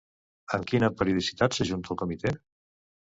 Amb quina periodicitat s'ajunta el comitè?